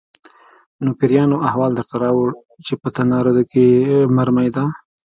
_نو پېريانو احوال درته راووړ چې په تناره کې مرمۍ ده؟